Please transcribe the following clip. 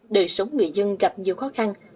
đời sống người dân gặp nhiều khó khăn